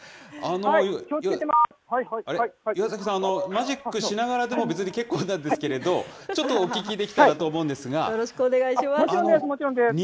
岩崎さん、マジックしながらでも別に結構なんですけれど、ちょっとお聞きできたらと思うんでよろしくお願いします。